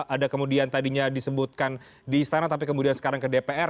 ada kemudian tadinya disebutkan di istana tapi kemudian sekarang ke dpr